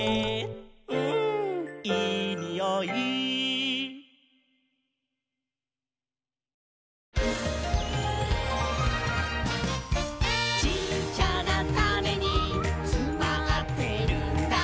「うんいいにおい」「ちっちゃなタネにつまってるんだ」